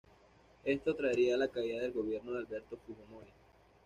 Esto traería la caída del Gobierno de Alberto Fujimori.